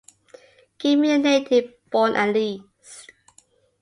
Give me a native born at least.